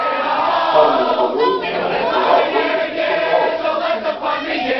Qqaren d Ḥewwa iwumi meqqer aɛebbuḍ-is tessuṭer-aɣ-d seg lǧenna.